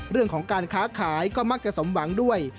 เรื่องของการค้าขายก็มักจะสมหวังด้วย